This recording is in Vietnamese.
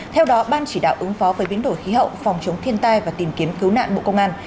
theo đó ban chỉ đạo ứng phó với biến đổi khí hậu phòng chống thiên tai và tìm kiếm cứu nạn bộ công an